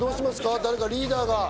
誰かリーダーが？